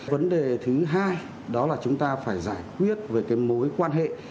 vấn đề thứ hai đó là chúng ta phải giải quyết về cái mối quan hệ